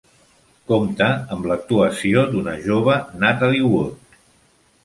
Compta amb l'actuació d'una jove Natalie Wood.